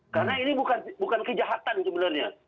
karena ini bukan kejahatan sebenarnya